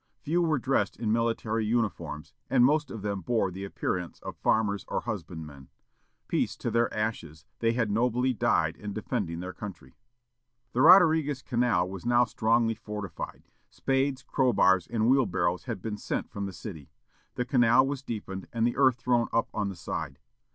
Few were dressed in military uniforms, and most of them bore the appearance of farmers or husbandmen. Peace to their ashes! they had nobly died in defending their country." The Roderiguez canal was now strongly fortified. Spades, crowbars, and wheelbarrows had been sent from the city. The canal was deepened and the earth thrown up on the side.